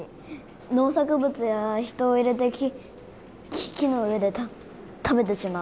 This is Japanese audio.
農作物や人を入れて木の上で食べてしまう。